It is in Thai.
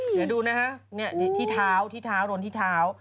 เดี๋ยวดูนะฮะที่เท้าโดนที่เท้า